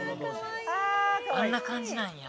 あんな感じなんや。